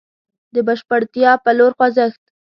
د بشپړتيا په لور خوځښت.